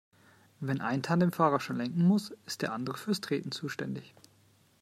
Wenn ein Tandemfahrer schon lenken muss, ist der andere fürs Treten zuständig.